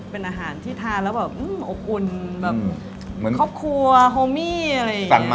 เป็นอาหารที่ทานแล้วแบบอบอุ่นแบบเหมือนครอบครัวโฮมี่อะไรอย่างนี้